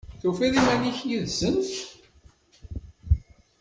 Tufiḍ iman-ik yid-sent?